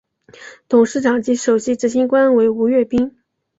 董事长及首席执行官为吴乐斌。